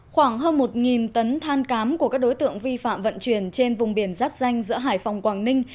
khoảng hơn một tấn than cám của các đối tượng vi phạm vận chuyển trên vùng biển giáp danh giữa hải phòng quảng ninh